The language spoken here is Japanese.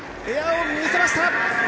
エアを見せました。